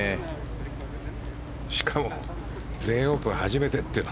しかも全英オープン初めてという。